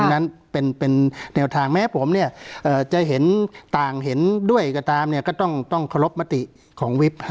ดังนั้นเป็นแนวทางแม้ผมจะเห็นต่างเห็นด้วยก็ตามก็ต้องขอรบมติของวิบ